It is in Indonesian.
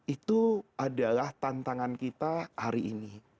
itu adalah tantangan kita hari ini